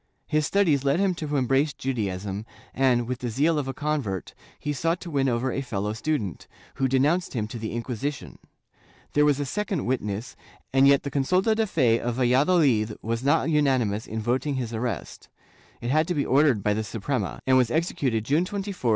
His studies led him to embrace Judaism and, with the zeal of a convert, he sought to win over a fellow student, who denounced him to the Inquisi tion. There was a second witness, and yet the consulta de fe of Valladolid was not unanimous in voting his arrest; it had to be ordered by the Suprema, and was executed June 24, 1639.